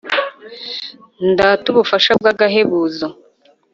ndate ubufasha bw'agahebuzo